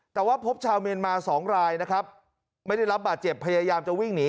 แต่ว่าพบชาวเมียนมา๒รายนะครับไม่ได้รับบาดเจ็บพยายามจะวิ่งหนี